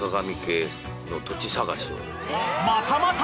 またまた？